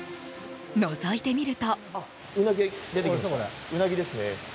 のぞいてみると。